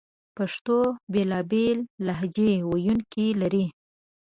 پښتو بېلابېل لهجې ویونکې لري